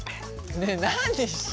ねえ何してんだ。